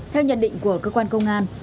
theo nhận định của cơ quan công an